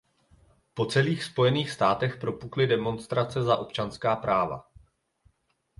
Po celých spojených státech propukly demonstrace za občanská práva.